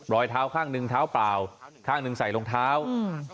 รอยเท้าข้างหนึ่งเท้าเปล่าข้างหนึ่งใส่รองเท้าอืม